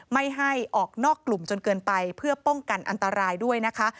ไม่ให้ออกนอกกลุ่มจนเกินไปเพื่อป้องกันอันตรายด้วยนะคะ